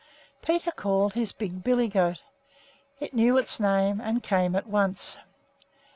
Peter called his big billy goat. It knew its name and came at once.